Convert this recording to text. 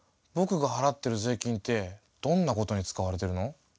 ぼくが払ってる税金ってどんなことに使われてるの？